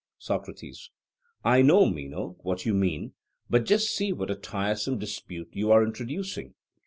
SOCRATES: I know, Meno, what you mean; but just see what a tiresome dispute you are introducing.